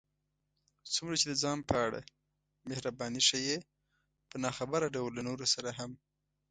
څومره چې د ځان په اړه محرباني ښيې، په ناخبره ډول له نورو سره هم